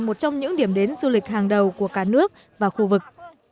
một trong những điểm đến du lịch hàng đầu của cả nước và khu vực